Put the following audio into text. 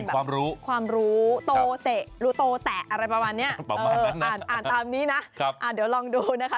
ความรู้ความรู้โตเตะรู้โตแตะอะไรประมาณนี้อ่านตามนี้นะเดี๋ยวลองดูนะคะ